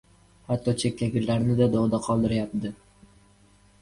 Hatto chekkagirlarni-da dog‘da qoldirayapti?